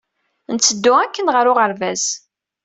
Netteddu akken ɣer uɣerbaz.